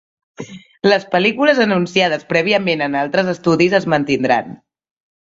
Les pel·lícules anunciades prèviament en altres estudis es mantindran.